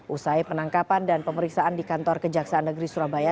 usai penangkapan dan pemeriksaan di kantor kejaksaan negeri surabaya